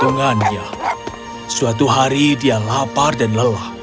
dengan suatu hari dia lapar dan lelah